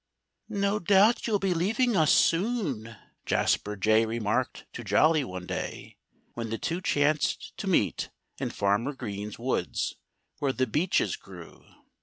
"No doubt you'll be leaving us soon," Jasper Jay remarked to Jolly one day, when the two chanced to meet in Farmer Green's woods, where the beeches grew.